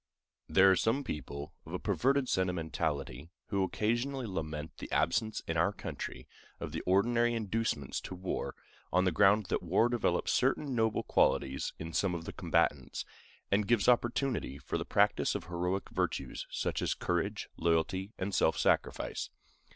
There are some people of a perverted sentimentality who occasionally lament the absence in our country of the ordinary inducements to war, on the ground that war develops certain noble qualities in some of the combatants, and gives opportunity for the practice of heroic virtues, such as courage, loyalty, and self sacrifice.